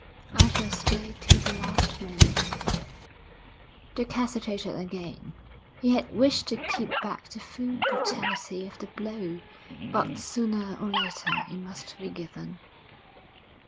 'I shall stay till the last moment.' Dick hesitated again. He had wished to keep back the full brutality of the blow, but sooner or later it must be given.